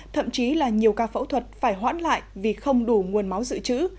thậm chí là nhiều ca phẫu thuật phải hoãn lại vì không đủ nguồn máu dự trữ